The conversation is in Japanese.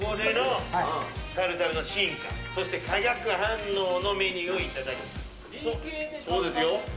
タルタルの進化そして化学反応のメニューをいただきます。